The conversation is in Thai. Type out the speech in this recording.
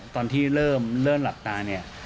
ตอนที่เริ่มเริ่มหลับตา